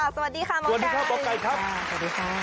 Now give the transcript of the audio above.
สวัสดีค่ะหมอกไก่สวัสดีค่ะสวัสดีค่ะ